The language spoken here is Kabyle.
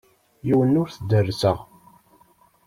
Yiwen ur t-derrseɣ.